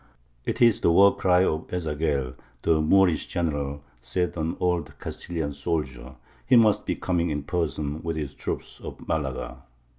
'It is the war cry of Ez Zagel, the Moorish general,' said an old Castilian soldier; 'he must be coming in person with the troops of Malaga.'